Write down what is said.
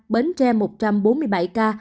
bến tre một bốn mươi bảy ca